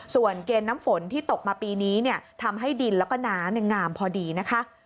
ส่วนเกณฑ์น้ำฝนที่ตกมาปีนี้ทำให้ดินแล้วก็น้ำงามพอดีนะคะ